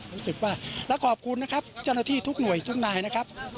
รู้สึกว่าและขอบคุณนะครับเจ้าหน้าที่ทุกหน่วยทุกนายนะครับ